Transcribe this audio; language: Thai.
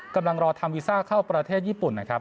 กำลังรอทำวีซ่าเข้าประเทศญี่ปุ่นนะครับ